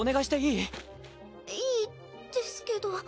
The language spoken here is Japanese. いいですけど。